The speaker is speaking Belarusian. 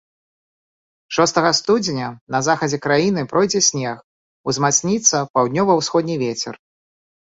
Шостага студзеня на захадзе краіны пройдзе снег, узмацніцца паўднёва-ўсходні вецер.